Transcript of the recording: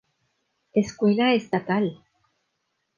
Escuela estatal.